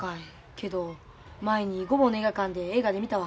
けど前に御坊の映画館で映画で見たわ。